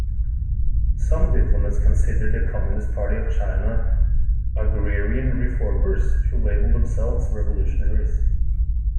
Some diplomats considered the Communist Party of China "agrarian reformers" who labeled themselves revolutionaries.